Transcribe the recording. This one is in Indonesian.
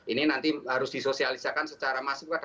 ini nanti harus disosialisakan secara maksimal gitu ya